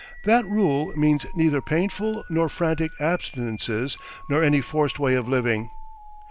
That rule means neither painful nor frantic abstinences nor any forced way of living.